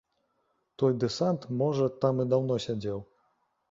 Той дэсант, можа, там і даўно сядзеў.